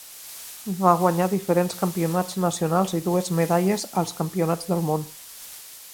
Va guanyar diferents campionats nacionals i dues medalles als Campionats del món.